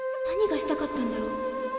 何がしたかったんだろう。